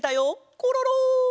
コロロ！